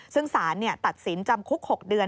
ซึ่งสารตัดสินจำคุก๖เดือน